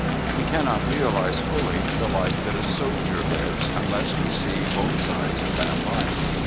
We cannot realize fully the life that a soldier lives unless we see both sides of that life.